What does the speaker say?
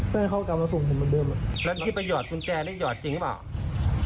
เพื่อให้เขากลับมาส่งผมเหมือนเดิมแล้วที่ไปหยอดกุญแจได้หยอดจริงหรือเปล่า